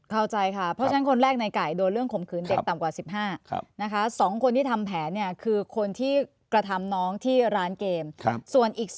เพราะฉะนั้นคนแรกในไก่โดนเรื่องขมขืนเด็กต่ำกว่า๑๕